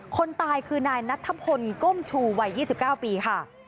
คนตายคือนายนัทธพลก้มชูวัย๒๙ปีค่ะ